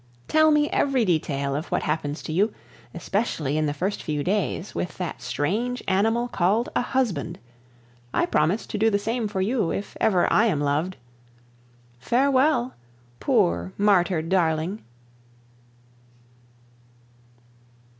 Tell me every detail of what happens to you, especially in the first few days, with that strange animal called a husband. I promise to do the same for you if ever I am loved. Farewell, poor martyred darling.